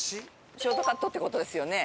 ショートカットって事ですよね。